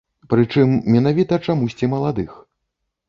Прычым, менавіта чамусьці маладых.